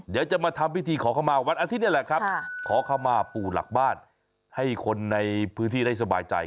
เดี๋ยวจะมาทำพิธีขอเข้ามาวันอาทิตย์นี่แหละครับขอเข้ามาปู่หลักบ้านให้คนในพื้นที่ได้สบายใจ